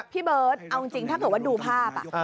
พี่เบิร์ธเอาจริงถ้าเผื่อดูภาพ